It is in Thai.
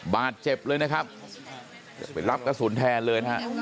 บาดเจ็บเลยนะครับไปรับกระสุนแทนเลยนะฮะ